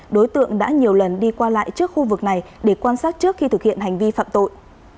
đối tượng đã nhiều lần đi qua lại trước khu vực này để quan sát trước khi thực hiện hành vi phạm tội